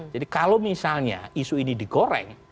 jadi kalau misalnya isu ini di goreng